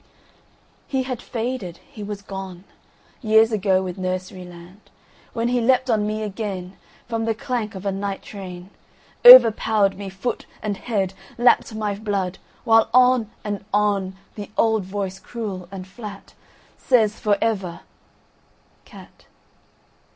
…"He had faded, he was goneYears ago with Nursery Land, When he leapt on me againFrom the clank of a night train, Overpowered me foot and head, Lapped my blood, while on and onThe old voice cruel and flatSays for ever, "Cat!